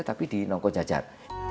tapi di nongkojajar